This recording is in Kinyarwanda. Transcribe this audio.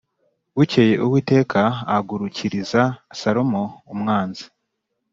Bukeye uwiteka ahagurukiriza salomo umwanzi